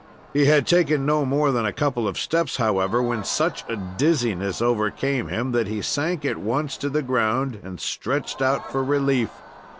He had taken no more than a couple of steps, however, when such a dizziness overcame him that he sank at once to the ground, and stretched out for relief.